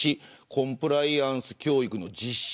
コンプライアンス教育の実施